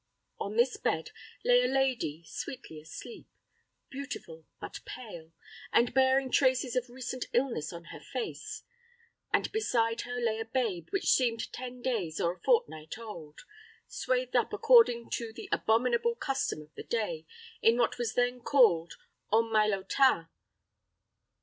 On this bed lay a lady sweetly asleep, beautiful but pale, and bearing traces of recent illness on her face; and beside her lay a babe which seemed ten days or a fortnight old, swathed up according to the abominable custom of the day, in what was then called en mailotin.